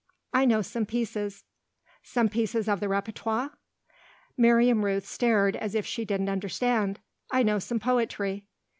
"I know some pieces." "Some pieces of the répertoire?" Miriam Rooth stared as if she didn't understand. "I know some poetry."